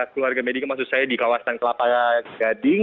keluarga medika maksud saya di kawasan kelapa gading